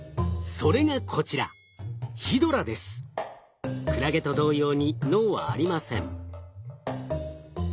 それがこちらクラゲと同様に脳はありません。